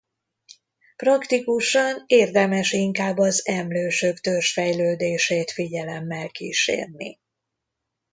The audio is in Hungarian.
Praktikusan érdemes inkább az emlősök törzsfejlődését figyelemmel kísérni.